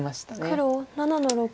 黒７の六。